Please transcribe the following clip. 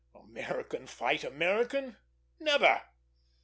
American fight American? Never!